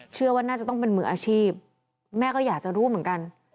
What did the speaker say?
เชื่อว่าน่าจะต้องเป็นมืออาชีพแม่ก็อยากจะรู้เหมือนกัน